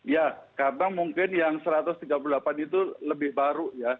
ya kadang mungkin yang satu ratus tiga puluh delapan itu lebih baru ya